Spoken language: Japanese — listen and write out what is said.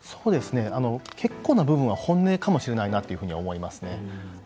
結構な部分は本音かもしれないなというふうに思いますね。